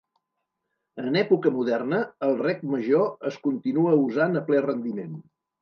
En època moderna el rec major es continua usant a ple rendiment.